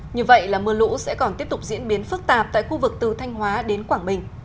như vậy là mưa lũ sẽ còn tiếp tục diễn biến phức tạp tại khu vực từ thanh hóa đến quảng bình